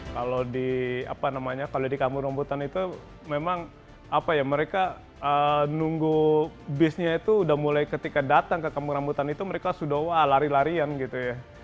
kalau di apa namanya kalau di kampung rambutan itu memang apa ya mereka nunggu bisnya itu udah mulai ketika datang ke kampung rambutan itu mereka sudah wah lari larian gitu ya